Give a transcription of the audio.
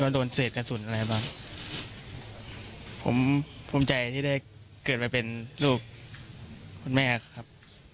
โดนเศษกระสุนอะไรบ้างผมภูมิใจที่ได้เกิดมาเป็นลูกคุณแม่ครับ